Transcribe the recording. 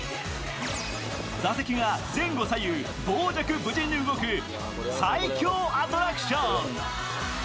座席が前後左右、傍若無人に動く最狂アトラクション。